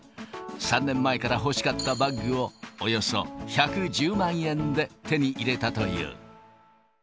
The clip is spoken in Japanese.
３年前から欲しかったバッグをおよそ１１０万円で手に入れたという。